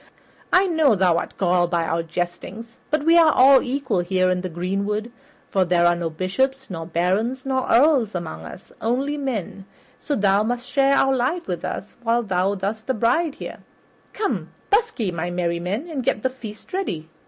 I know thou art galled by our jesting, but we are all equal here in the greenwood, for there are no bishops nor barons nor earls among us, but only men, so thou must share our life with us while thou dost abide here. Come, busk ye, my merry men, and get the feast ready.